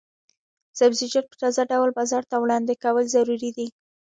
سبزیجات په تازه ډول بازار ته وړاندې کول ضروري دي.